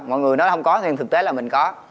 mọi người nói không có nhưng thực tế là mình có